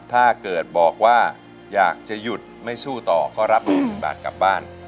ถ้าเกิดบอกว่าอยากจะหยุดไม่สู้ต่อก็รับ๑๐๐๐บาทกลับบ้าน